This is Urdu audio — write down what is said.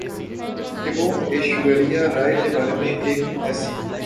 کہ وہ ایشوریا رائے کے بارے میں ایک ایسی